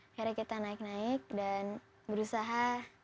akhirnya kita naik naik dan berusaha